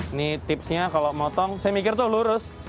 ini tipsnya kalau motong saya mikir tuh lurus